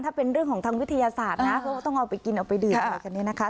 ถ้าเป็นเรื่องของทางวิทยาศาสตร์นะเขาก็ต้องเอาไปกินเอาไปดื่มอะไรกันเนี่ยนะคะ